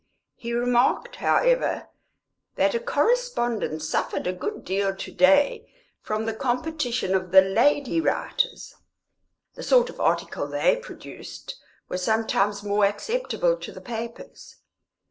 He remarked, however, that a correspondent suffered a good deal to day from the competition of the "lady writers"; the sort of article they produced was sometimes more acceptable to the papers.